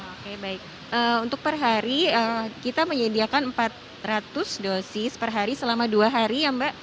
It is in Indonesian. oke baik untuk perhari kita menyediakan empat ratus dosis perhari selama dua hari ya mbak